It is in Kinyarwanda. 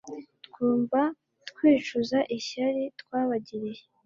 Twumva twicuza ishyari twabagiriye